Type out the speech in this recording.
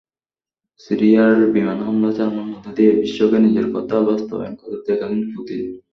সিরিয়ায় বিমান হামলা চালানোর মধ্য দিয়ে বিশ্বকে নিজের কথার বাস্তবায়ন করে দেখালেন পুতিন।